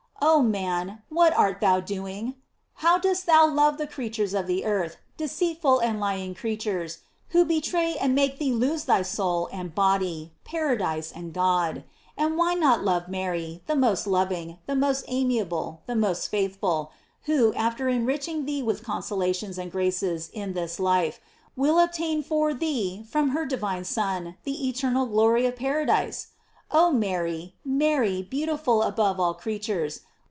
Oh man, what art thou doing? How dost thou love the creatures of the earth, de ceitful and lying creatures, who betray and make thee lose thy soul, and body, paradise, and God? And why not love Mary, the most loving, the most amiable, and the most faithful, who, after enriching thee with consolations and graces in this life, will obtain for thee, from her divine Son, the eternal glory of paradise? Oh Mary, Mary, beautiful above all creatures!